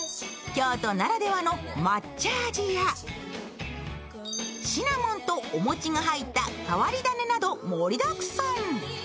京都ならではの抹茶味やシナモンとお餅が入った変わり種など盛りだくさん。